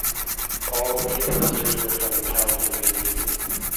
All eight ministers were from the Caledonian Union.